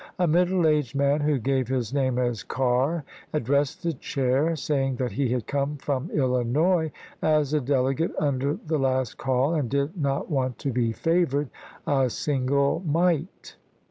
A middle aged man, who gave his name as Carr, ad dressed the chair, saying that he had come from Illinois as a delegate under the last call and did not want to be favored " a single mite."